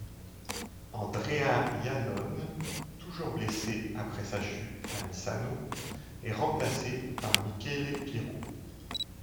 Andrea Iannone, toujours blessé après sa chute à Misano, est remplacé par Michele Pirro.